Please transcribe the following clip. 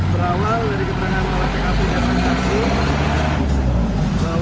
berawal dari kebenaran kawasan api di asap kerasi